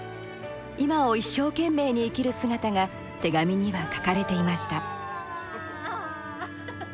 今を一生懸命に生きる姿が手紙には書かれていました。